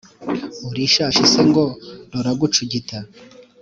urishashi se ngo rura gucugita?"